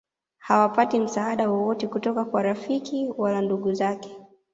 hawapati msaada wowote kutoka kwa rafiki wala ndugu zake